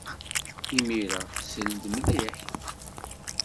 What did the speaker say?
Imir-a, sel-d mliḥ.